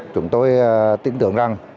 chúng tôi tin tưởng rằng